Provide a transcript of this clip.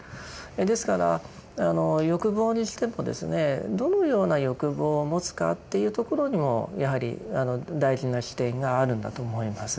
ですから欲望にしてもですねどのような欲望を持つかというところにもやはり大事な視点があるんだと思います。